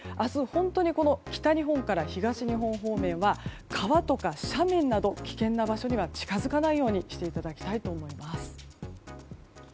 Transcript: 本当に北日本から東日本方面は川とか斜面など危険な場所には近づかないようにしていただきたいと思います。